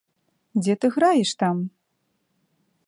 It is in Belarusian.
Дзе ты граеш там?